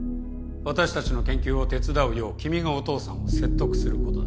私たちの研究を手伝うよう君がお父さんを説得することだ。